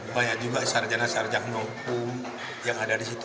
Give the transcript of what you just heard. banyak juga sarjana sarjana hukum yang ada di situ